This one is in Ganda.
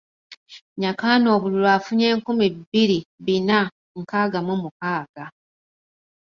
Nyakana obululu afunye nkumi bbiri bina nkaaga mu mukaaga.